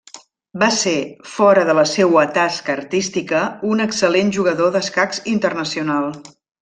Va ser, fora de la seua tasca artística, un excel·lent jugador d'escacs internacional.